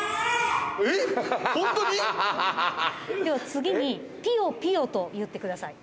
次にピヨピヨと言ってください。